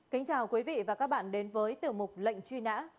kính chào quý vị và các bạn đến với tiểu mục lệnh truy nã